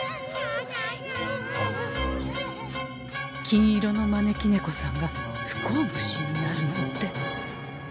金色の招き猫さんが不幸虫になるなんて。